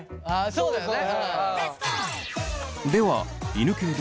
そうですね。